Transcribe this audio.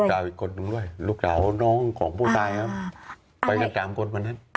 ลูกจาวอีกคนหนึ่งด้วยลูกจาน้องของผู้ตายครับไปกับ๓คนเหมือนนั้น